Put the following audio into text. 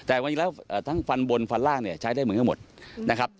แต่วันอีกแล้วทั้งฟันบนฟันล่างใช้ได้เหมือนกันหมด